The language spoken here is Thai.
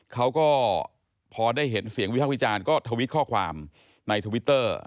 เขาก็พอได้เห็นเสียงวิพากษ์วิจารณ์ก็ทวิตข้อความในทวิตเตอร์